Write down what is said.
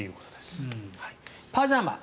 パジャマ。